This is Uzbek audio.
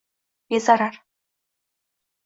bezarar